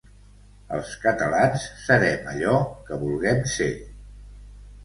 Els catalans serem allò que vulguem ser.